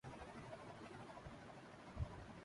spot fixing کے تانے بانے ملک سے باہر ملتےہیں